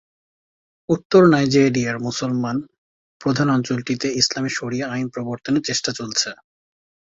উত্তর নাইজেরিয়ার মুসলমান প্রধান অঞ্চলটিতে ইসলামী শরিয়া আইন প্রবর্তনের চেষ্টা চলছে।